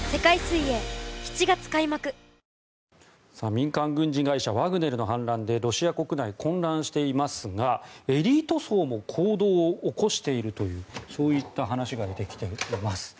民間軍事会社ワグネルの反乱でロシア国内、混乱していますがエリート層も行動を起こしているというそういった話が出てきています。